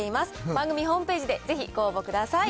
番組ホームページでぜひ、ご応募ください。